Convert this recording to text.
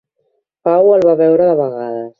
Pau el va veure de vegades.